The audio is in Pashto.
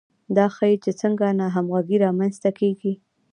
دا ښيي چې څنګه ناهمغږي رامنځته کیږي.